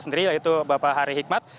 sendiri yaitu bapak hari hikmat